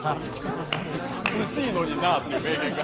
涼しいのになぁっていう名言が。